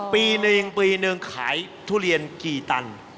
ปีหนึ่งปีหนึ่งขายทุเรียนกี่ตัน